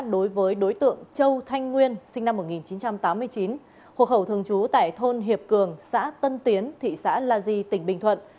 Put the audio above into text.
đối với đối tượng châu thanh nguyên sinh năm một nghìn chín trăm tám mươi chín hộ khẩu thường trú tại thôn hiệp cường xã tân tiến thị xã la di tỉnh bình thuận